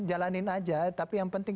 jalanin aja tapi yang penting